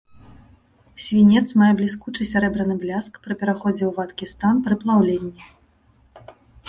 Свінец мае бліскучы сярэбраны бляск, пры пераходзе ў вадкі стан пры плаўленні.